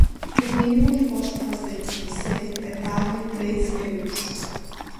O mínimo que posso fazer por você é dar-lhe três euros.